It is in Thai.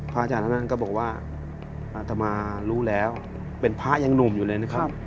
พระอาจารย์ก็บอกว่าอาธมาร์รู้แล้วเป็นพระยังหนุ่มอยู่เลยนะครับ